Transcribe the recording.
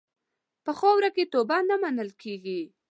په خاوره کې توبه نه منل کېږي.